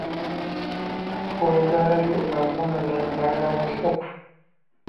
Twazaalayo abaana abalala basatu.